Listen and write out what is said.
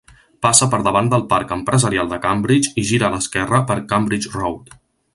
Passa per davant del parc empresarial de Cambridge i gira a l'esquerra per Cambridge Road.